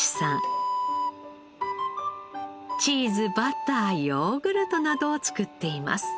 チーズバターヨーグルトなどを作っています。